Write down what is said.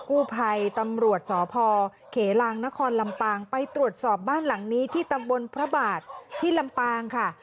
กู้ภัยตำรวจสพเขลางนครลำปางไปตรวจสอบบ้านหลังนี้ที่ตำบลพระบาทที่ลำปางค่ะ